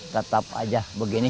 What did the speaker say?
tetap aja begini